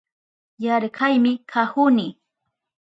Yarkaymi kahuni